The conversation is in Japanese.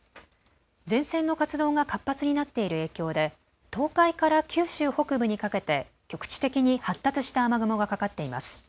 前線の活動が活発になっている影響で東海から九州北部にかけて局地的に発達した雨雲がかかっています。